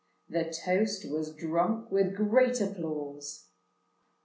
The toast was drunk with great applause.